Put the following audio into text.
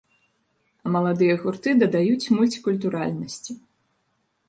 А маладыя гурты дадаюць мульцікультуральнасці.